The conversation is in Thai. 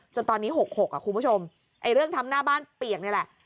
จนตอนนี้๖๖คุณผู้ชมไอ้เรื่องทำหน้าบ้านเปียกนี่แหละ